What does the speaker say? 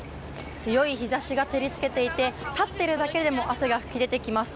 強い日差しが照り付けていて立っているだけでも汗が噴き出てきます。